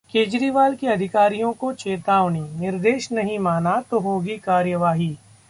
केजरीवाल की अधिकारियों को चेतावनी, निर्देश नहीं माना तो होगी कार्रवाई